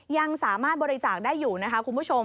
ยังสามารถบริจาคได้อยู่นะคะคุณผู้ชม